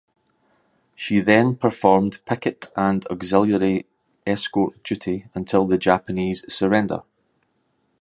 She then performed picket and auxiliary escort duty until the Japanese surrender.